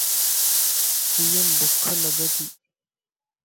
سيءَ مَ ڀوک لڳي تي.